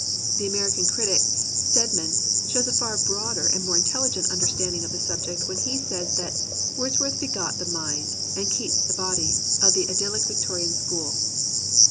The American critic, Stedman, showed a far broader and more intelhgent understanding of the subject when he said that " Wordsworth begot the mind, and Keats the body, of the idyllic Victorian School."